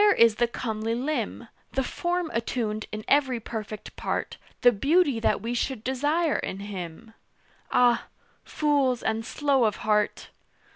"Where is the comely limb, The form attuned in every perfect part, The beauty that we should desire in him?" Ah! Fools and slow of heart!